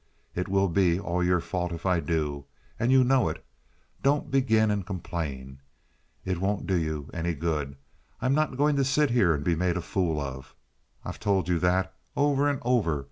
It will be all your fault if I do, and you know it. Don't begin and complain. It won't do you any good. I'm not going to sit here and be made a fool of. I've told you that over and over.